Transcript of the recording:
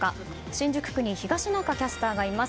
新宿区に東中キャスターがいます。